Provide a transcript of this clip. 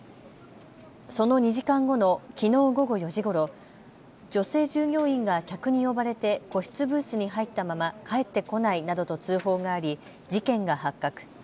その２時間後のきのう午後４時ごろ、女性従業員が客に呼ばれて個室ブースに入ったまま帰ってこないなどと通報があり事件が発覚。